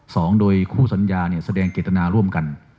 สองโดยคู่สัญญาเนี่ยแสดงเจตนาร่วมกัน